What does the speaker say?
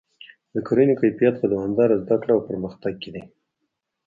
د کرنې کیفیت په دوامداره زده کړه او پرمختګ کې دی.